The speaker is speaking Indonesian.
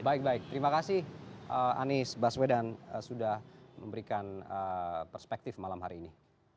baik baik terima kasih anies baswedan sudah memberikan perspektif malam hari ini